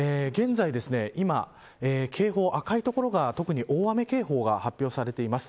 今、警報、赤い所が特に大雨警報が発表されています。